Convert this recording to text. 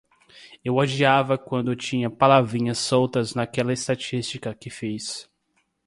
Eu odiava quando tinha palavrinhas soltas naquela estatística que fiz.